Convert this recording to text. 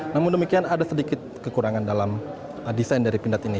namun demikian ada sedikit kekurangan dalam desain dari pindad ini